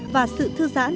và sự thư giãn